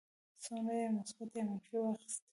څومره یې مثبت یا منفي واخیستی شم.